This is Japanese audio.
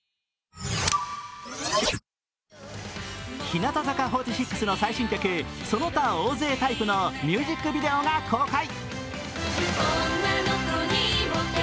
日向坂４６の最新曲「その他大勢タイプ」のミュージックビデオが公開。